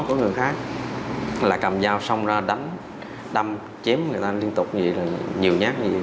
đó của người khác là cầm dao xong ra đánh đâm chém người ta liên tục như vậy là nhiều nhát như vậy